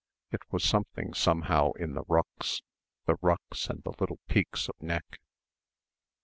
It was something ... somehow in the ruches the ruches and the little peaks of neck.